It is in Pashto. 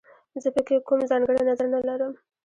زه په کې کوم ځانګړی نظر نه لرم